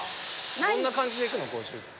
どんな感じでいくの？